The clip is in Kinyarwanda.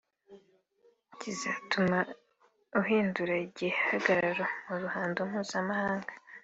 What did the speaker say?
kizatuma uhindura igihagararo mu ruhando mpuzamahanga